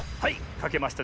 かけました！